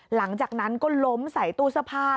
หลังจากนั้นก็ล้มใส่ตู้สภาพ